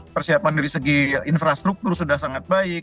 persiapan dari segi infrastruktur sudah sangat baik